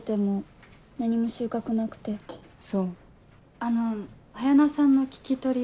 あの彩菜さんの聞き取りは。